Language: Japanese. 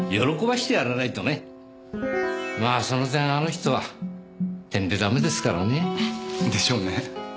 まあその点あの人はてんでダメですからね。でしょうね。